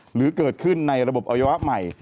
หรือเกิดขึ้นในระบบอวัยวะใหม่